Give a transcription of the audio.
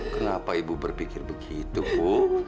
kenapa ibu berpikir begitu bu